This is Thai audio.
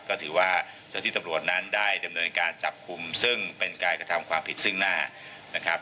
ก็ถือว่าเจ้าที่ตำรวจนั้นได้ดำเนินการจับกลุ่มซึ่งเป็นการกระทำความผิดซึ่งหน้านะครับ